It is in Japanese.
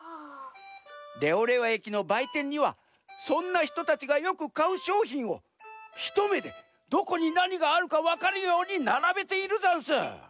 レオレオえきのばいてんにはそんなひとたちがよくかうしょうひんをひとめでどこになにがあるかわかるようにならべているざんす。